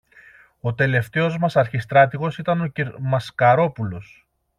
ο τελευταίος μας αρχιστράτηγος ήταν ο κυρ-Μασκαρόπουλος.